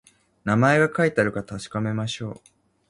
名前が書いてあるか確かめましょう